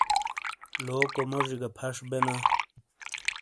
لوکو موجی گہ پھش بینا ۔